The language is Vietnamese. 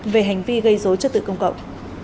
về hành vi gây dối chất tự công cộng